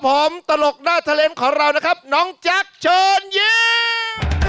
สมตลกหน้าเทลนของเรานะครับน้องจักรเชิญเยี่ยม